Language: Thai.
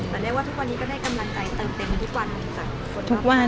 แต่ได้ว่าทุกวันนี้ก็ได้กำลังใจเติมเต็มทุกวัน